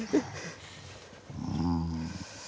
うん。